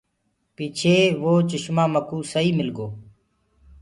پچهي وو چشمآ مڪوُ سئي مِل گو۔